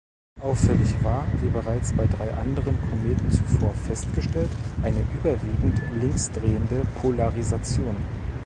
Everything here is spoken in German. Auffällig war, wie bereits bei drei anderen Kometen zuvor festgestellt, eine überwiegend linksdrehende Polarisation.